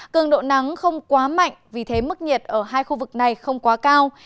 cường độ nắng không quá mạnh vì thế mức nhiệt ở hai khu vực này không quá cao